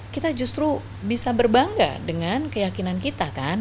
kita justru bisa berbangga dengan keyakinan kita kan